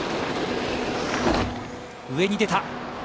上に出た。